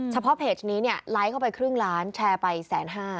เฉพาะเพจนี้เนี่ยไลค์เข้าไปครึ่งล้านแชร์ไป๑๕๐๐